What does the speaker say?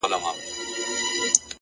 پوهه د ذهن افقونه پراخوي,